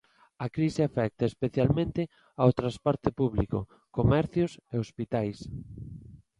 A crise afecta especialmente o transporte público, comercios e hospitais.